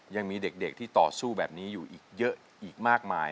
ยังมีเด็กที่ต่อสู้แบบนี้อยู่อีกเยอะอีกมากมาย